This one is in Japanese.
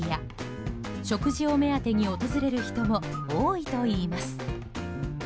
食事を目当てに訪れる人も多いといいます。